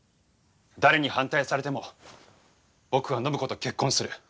誰に反対されても僕は暢子と結婚する。